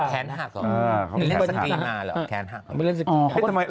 แค้นหักเหรอ